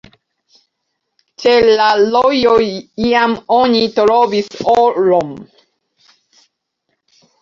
Ĉe la rojo iam oni trovis oron.